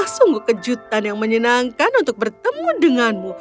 sungguh kejutan yang menyenangkan untuk bertemu denganmu